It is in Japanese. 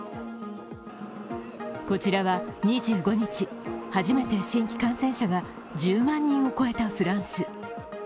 こちらは２５日、初めて新規感染者が１０万人を超えたフランス。